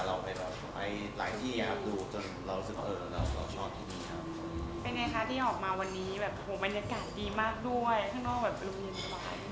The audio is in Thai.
เป็นในค่ะที่ออกมาวันนี้บรรยากาศดีมากด้วย